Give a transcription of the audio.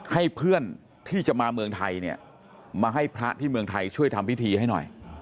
ให้เพื่อนที่จะมาเมืองไทยเนี่ยมาให้พระที่เมืองไทยช่วยทำพิธีให้หน่อย